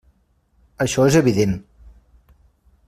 Això és evident.